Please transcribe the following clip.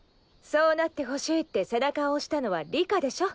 そうなってほしいって背中を押したのは里佳でしょ。